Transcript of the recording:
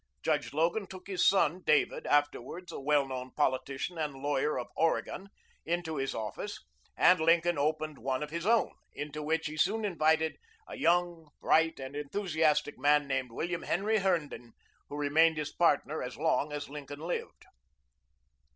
Judge Logan took his son David afterwards a well known politician and lawyer of Oregon into his office, and Lincoln opened one of his own, into which he soon invited a young, bright, and enthusiastic man named William Henry Herndon, who remained his partner as long as Lincoln lived.